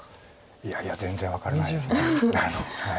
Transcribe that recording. いやいや全然分からないですまだ。